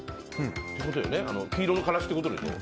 黄色の辛子ってことでしょ。